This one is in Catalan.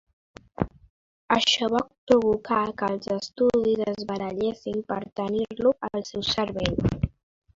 Això va provocar que els estudis es barallessin per tenir-lo al seu servei.